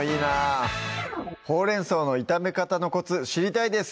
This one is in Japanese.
ほうれん草の炒め方のコツ知りたいです